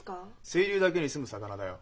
清流だけに住む魚だよ。